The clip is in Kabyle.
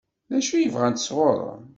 D acu i bɣant sɣur-m?